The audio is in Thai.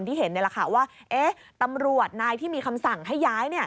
ที่เห็นในราคาว่าตำรวจนายที่มีคำสั่งให้ย้าย